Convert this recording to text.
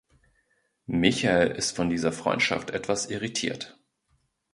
Michael ist von dieser Freundschaft etwas irritiert.